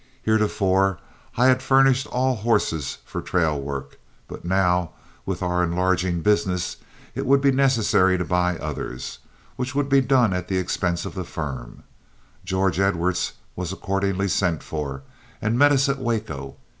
Heretofore I had furnished all horses for trail work, but now, with our enlarging business, it would be necessary to buy others, which would be done at the expense of the firm. George Edwards was accordingly sent for, and met us at Waco.